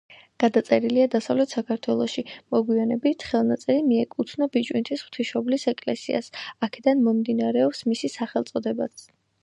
გადაწერილია დასავლეთ საქართველოში; მოგვიანებით ხელნაწერი მიეკუთვნა ბიჭვინთის ღვთისმშობლის ეკლესიას, აქედან მომდინარეობს მისი სახელწოდებაც.